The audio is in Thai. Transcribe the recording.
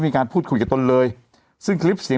มีการพูดคุยกับตนเลยซึ่งคลิปเสียง